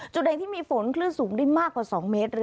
ใดที่มีฝนคลื่นสูงได้มากกว่า๒เมตร